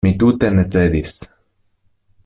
Mi tute ne cedis.